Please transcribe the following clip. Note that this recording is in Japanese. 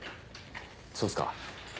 そうっすか。